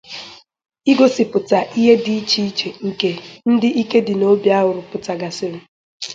igosipụta ihe dị iche iche ndị ikedịnobi ahụ rụpụtàgàsịrị